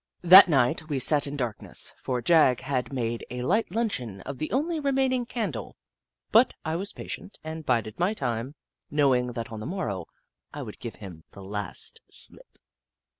That night we sat in darkness, for Jagg had made a light luncheon of the only remaining candle, but I was patient and bided my time, knowing that on the morrow I would give him the last slip.